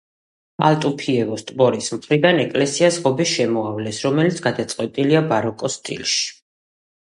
ალტუფიევოს ტბორის მხრიდან ეკლესიას ღობე შემოავლეს, რომელიც გადაწყვეტილია ბაროკოს სტილში.